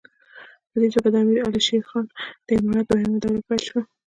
په دې توګه د امیر شېر علي خان د امارت دوهمه دوره پیل شوه.